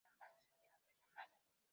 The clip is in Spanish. Sin embargo, sentía otra llamada.